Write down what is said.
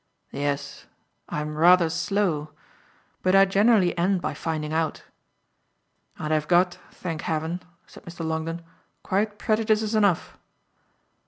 "Yes I'm rather slow; but I generally end by finding out. And I've got, thank heaven," said Mr. Longdon, "quite prejudices enough."